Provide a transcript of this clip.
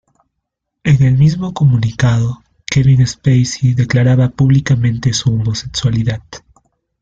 En el mismo comunicado, Kevin Spacey declaraba públicamente su homosexualidad.